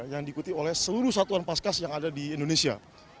yang diikuti oleh seluruh satuan paskas yang ada di indonesia